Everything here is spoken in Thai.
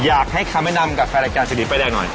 อยากให้คำแนะนำกับแฟนรายการสิทธิไปได้หน่อย